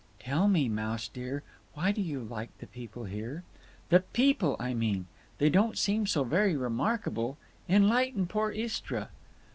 "Tell me, Mouse dear, why do you like the people here? The peepul, I mean. They don't seem so very remarkable. Enlighten poor Istra."